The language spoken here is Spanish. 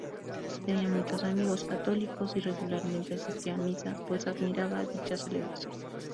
Tenía muchos amigos católicos y regularmente asistía a misa, pues admiraba dicha celebración.